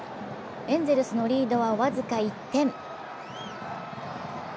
エンゼルスのリードは僅か１点。